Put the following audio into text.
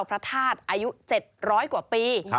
พระธาตุอายุ๗๐๐กว่าปี